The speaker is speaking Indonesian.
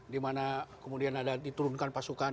di mana kemudian ada diturunkan pasukan